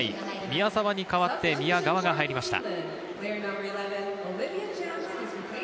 宮澤に代わって宮川が入りました。